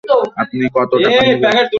আপনি কত টাকা দিবেন?